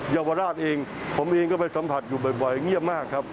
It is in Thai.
เยาวราชเองผมเองก็ไปสัมผัสอยู่บ่อยเงียบมากครับ